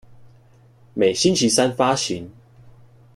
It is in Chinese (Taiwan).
每星期三發行